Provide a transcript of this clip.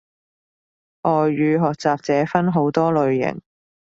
外語學習者分好多類型